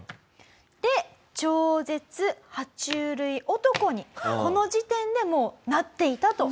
で超絶爬虫類男にこの時点でもうなっていたという事なんです。